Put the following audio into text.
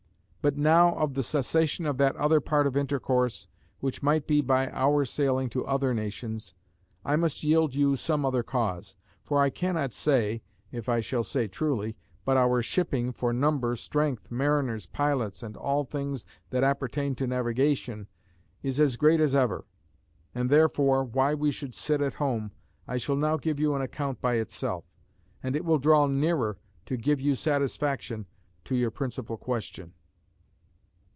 But now of the cessation of that other part of intercourse, which might be by our sailing to other nations, I must yield you some other cause. For I cannot say (if I shall say truly,) but our shipping, for number, strength, mariners, pilots, and all things that appertain to navigation, is as great as ever; and therefore why we should sit at home, I shall now give you an account by itself: and it will draw nearer to give you satisfaction to your principal question.